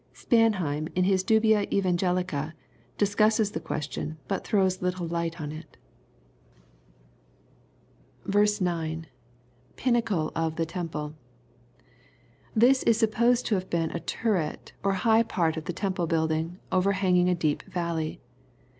Spanheim, in his Dubia Evangelical diflcuflsss the question, but throws little light on it 114 EXPOSITOBT THOUGHTS. 9. — [Pinnacle of the imiple.] This is su{^>08Qd to have been a turret, or high part of the .emple building, overhanging a deep valley.